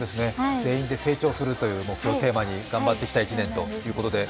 全員で成長するという目標をテーマに頑張ってきた１年ということで。